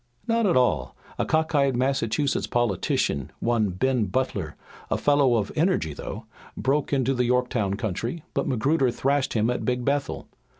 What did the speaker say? "Not at all! A cock eyed Massachusetts politician, one Ben Butler, a fellow of energy though, broke into the Yorktown country, but Magruder thrashed him at Big Bethel.